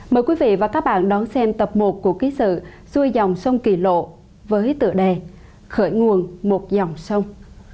mời quý vị và các bạn đón xem tập một của ký sự xuôi dòng sông kỳ lộ với tựa đề khởi nguồn một dòng sông